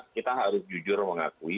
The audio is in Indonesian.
kita harus jujur mengakui